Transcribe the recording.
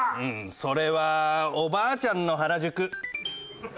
それはおばあちゃんの原宿。